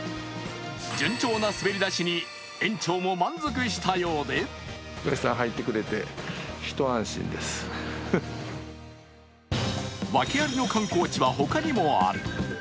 順調な滑り出しに園長も満足したようで訳ありの観光地は他にもある。